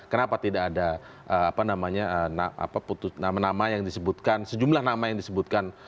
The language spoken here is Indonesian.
kenapa tidak ada sejumlah nama yang disebutkan